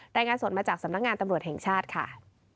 รายงานสดมาจากสำนักงานตำรวจแห่งชาติค่ะ